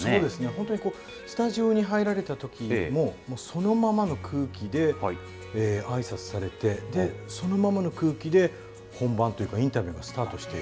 本当にスタジオに入られたときも、もうそのままの空気で、あいさつされて、そのままの空気で本番というか、インタビューがスタートして。